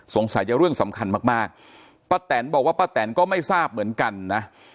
สงสัยจะเรื่องสำคัญมากมากป้าแตนบอกว่าป้าแตนก็ไม่ทราบเหมือนกันนะ